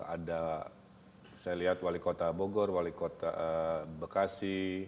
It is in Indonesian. ada saya lihat wali kota bogor wali kota bekasi